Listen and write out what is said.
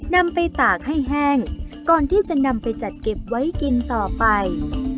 นำไปตากให้แห้งก่อนที่จะนำไปจัดเก็บไว้กินต่อไป